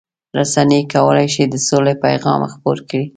رسنۍ کولای شي د سولې پیغام خپور کړي.